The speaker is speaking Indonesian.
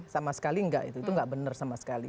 sama sekali nggak itu itu nggak benar sama sekali